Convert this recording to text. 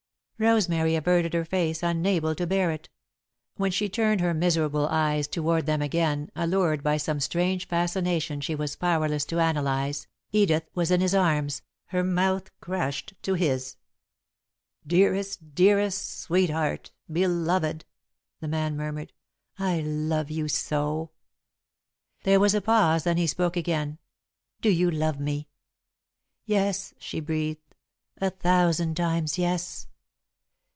Rosemary averted her face, unable to bear it. When she turned her miserable eyes toward them again, allured by some strange fascination she was powerless to analyse, Edith was in his arms, her mouth crushed to his. [Sidenote: Yours Alone] "Dear, dearest, sweetheart, beloved!" the man murmured. "I love you so!" There was a pause, then he spoke again. "Do you love me?" "Yes," she breathed. "A thousand times, yes!"